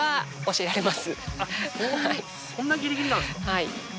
はい。